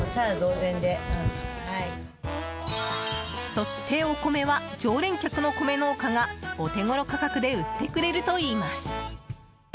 そして、お米は常連客の米農家がお手ごろ価格で売ってくれるといいます。